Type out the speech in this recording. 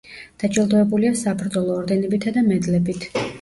დაჯილდოებულია საბრძოლო ორდენებითა და მედლებით.